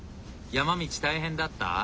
山道大変だった？